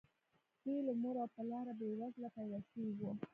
دوی له مور او پلاره بې وزله پيدا شوي وو.